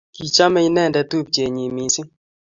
kichomei inendet tupchenyin mising